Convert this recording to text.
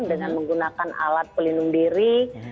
dengan menggunakan alat pelindung diri